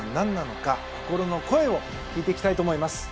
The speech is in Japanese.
心の声を聞いていきたいと思います。